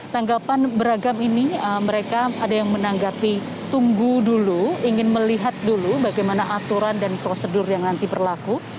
tanggapan beragam ini mereka ada yang menanggapi tunggu dulu ingin melihat dulu bagaimana aturan dan prosedur yang nanti berlaku